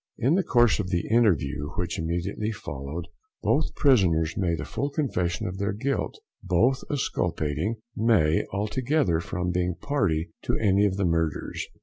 In the course of the interview which immediately followed, both prisoners made a full confession of their guilt, both exculpating May altogether from being party to any of the murders.